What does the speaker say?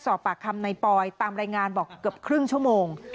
สอบปากคำในปอยตามรายงานบอกเกือบครึ่งชั่วโมง